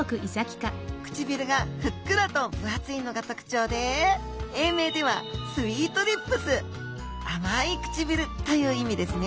唇がふっくらと分厚いのが特徴で英名ではスイートリップス「甘い唇」という意味ですね。